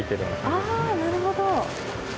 あーなるほど。